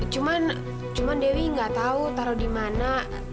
cuman cuman dewi nggak tahu taruh di mana